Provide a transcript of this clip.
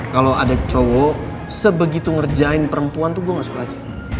kalau ada cowok sebegitu ngerjain perempuan tuh gue gak suka aja